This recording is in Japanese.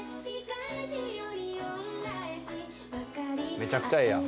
めちゃくちゃええやん。